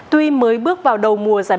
tuy mới bước vào đầu mùa giải bóng